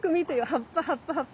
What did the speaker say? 葉っぱ葉っぱ葉っぱ。